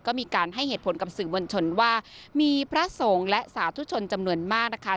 ก็มีการให้เหตุผลกับสื่อมวลชนว่ามีพระสงฆ์และสาธุชนจำนวนมากนะคะ